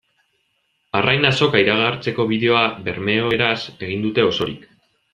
Arrain Azoka iragartzeko bideoa bermeoeraz egin dute osorik.